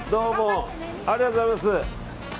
ありがとうございます。